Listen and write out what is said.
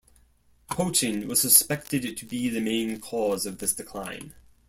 Poaching was suspected to be the main cause of this decline.